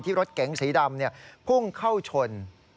รถเก๋งสีดำพุ่งเข้าชน